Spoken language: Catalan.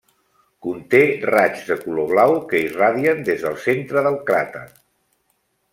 Conté raigs de color blau que irradien des del centre del cràter.